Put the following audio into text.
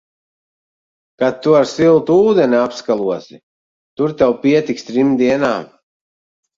Kad tu ar siltu ūdeni apskalosi, tur tev pietiks trim dienām.